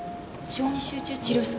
小児集中治療室？